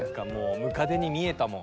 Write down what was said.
ムカデに見えたもん。